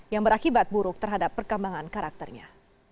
yang berakibat buruk terhadap perkembangan karakternya